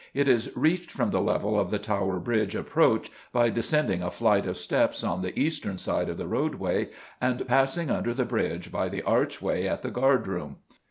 It is reached from the level of the Tower Bridge approach by descending a flight of steps on the eastern side of the roadway and passing under the bridge by the archway at the guard room.